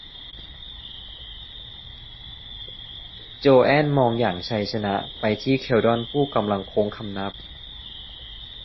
โจแอนมองอย่างชัยชนะไปที่เขลดอน ผู้กำลังโค้งคำนับ